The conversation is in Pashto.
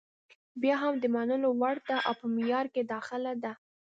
بیا هم د منلو وړ ده او په معیار کې داخله ده.